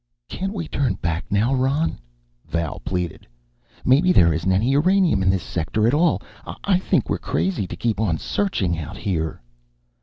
"Can't we turn back now, Ron?" Val pleaded. "Maybe there isn't any uranium in this sector at all. I think we're crazy to keep on searching out here!"